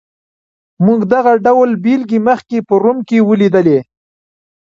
موږ دغه ډول بېلګې مخکې په روم کې ولیدلې.